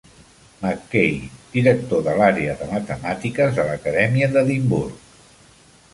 Mackay, director de l'àrea de Matemàtiques de l'Acadèmia d'Edimburg.